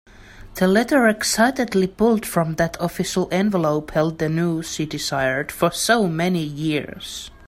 The letter excitedly pulled from that official envelope held the news she desired for so many years.